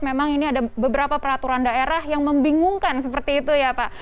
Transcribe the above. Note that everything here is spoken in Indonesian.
memang ini ada beberapa peraturan daerah yang membingungkan seperti itu ya pak